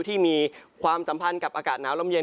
ที่มีความจำพันกับอากาศหนาวลำเย็น